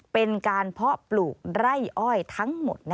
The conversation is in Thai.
เป็นการเพาะปลูกไร่อ้อยทั้งหมด